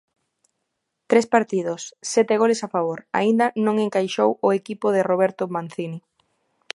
Tres partidos, sete goles a favor, aínda non encaixou o equipo de Roberto Mancini.